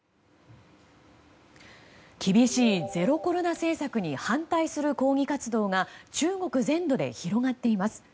厳しいゼロコロナ政策に反対する抗議活動が中国全土で広がっています。